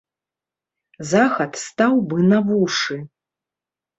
Захад стаў бы на вушы.